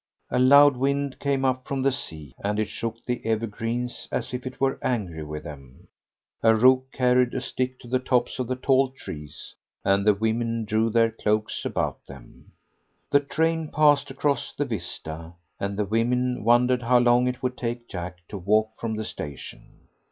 A loud wind came up from the sea, and it shook the evergreens as if it were angry with them. A rook carried a stick to the tops of the tall trees, and the women drew their cloaks about them. The train passed across the vista, and the women wondered how long it would take Jack to walk from the station.